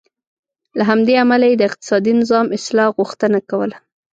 له همدې امله یې د اقتصادي نظام اصلاح غوښتنه کوله.